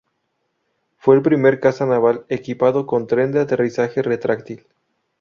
Fue el primer caza naval equipado con tren de aterrizaje retráctil.